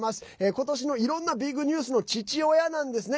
今年のいろんなビッグニュースの父親なんですね。